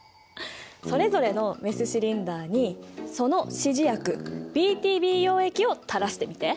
それぞれのメスシリンダーにその指示薬ＢＴＢ溶液をたらしてみて。